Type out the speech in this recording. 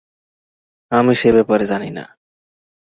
আমি সে ব্যাপারে জানি না।